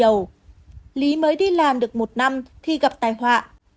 lý mới đi làm được một năm khi gặp tài hoạ